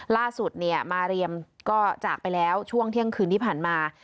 ล่าสุดเนี่ยมาเรียมก็จากไปแล้วช่วงเที่ยงคืนที่ผ่านมา